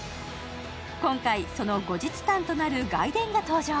今回、その後日譚となる「外伝」が登場。